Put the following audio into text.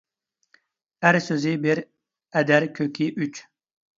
ئەر سۆزى بىر، ئەدەر كۆكى ئۈچ.